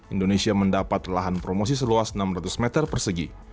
indonesia mendapat lahan promosi seluas enam ratus meter persegi